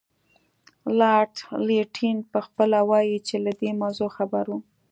لارډ لیټن پخپله وایي چې له دې موضوع خبر وو.